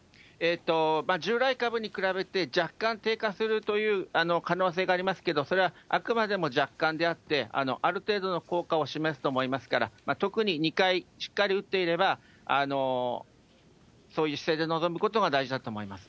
従来株に比べて若干低下するという可能性がありますけど、それはあくまでも若干であって、ある程度の効果を示すと思いますから、特に２回しっかり打っていれば、そういう姿勢で臨むことが大事だと思います。